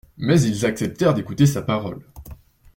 Mais ils acceptèrent d'écouter sa parole.